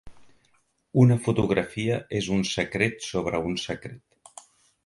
Una fotografia és un secret sobre un secret.